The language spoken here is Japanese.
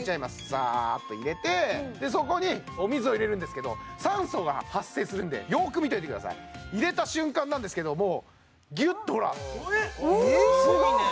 ザっと入れてそこにお水を入れるんですけど酸素が発生するんでよく見といてください入れた瞬間なんですけどもうギュッとほらすごい！